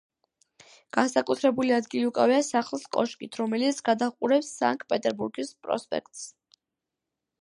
განსაკუთრებული ადგილი უკავია სახლს კოშკით, რომელიც გადაჰყურებს სანქტ-პეტერბურგის პროსპექტს.